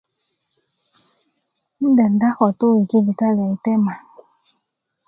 um denda ko tu i jibitali yi tema